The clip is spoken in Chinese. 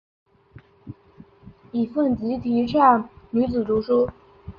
尹奉吉提倡女子读书。